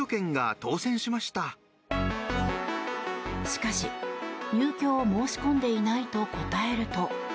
しかし入居を申し込んでいないと答えると。